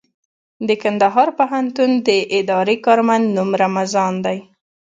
د کندهار پوهنتون د اداري کارمند نوم رمضان دئ.